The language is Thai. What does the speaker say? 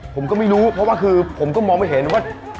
ผมก็ไม่รู้เพราะว่าคือผมก็มองไม่เห็นว่า